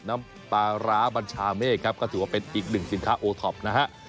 น้ำปลาร้าบัญชาเมฆครับก็ถือว่าเป็นอีกหนึ่งสินค้าโอท็อปนะฮะ